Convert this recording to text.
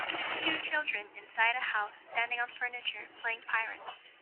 Two children inside a house standing on furniture, playing pirates.